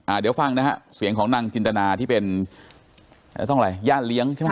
เดี๋ยวฟังนะฮะเสียงของนางจินตนาที่เป็นอ่าต้องอะไรย่านเลี้ยงใช่ไหม